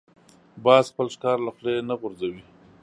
باز خپل ښکار له خولې نه غورځوي